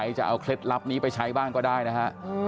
จะเอาเคล็ดลับนี้ไปใช้บ้างก็ได้นะฮะ